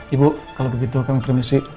ibu kalo begitu kami permisi